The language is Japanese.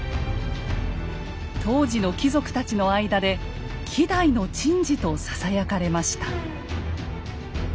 当時の貴族たちの間で「希代の珍事」とささやかれました。